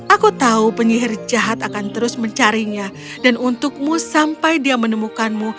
aku tahu penyihir jahat akan terus mencarinya dan untukmu sampai dia menemukanmu